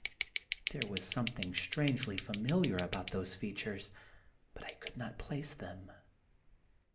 There was something strangely familiar about those features, but I could not place them.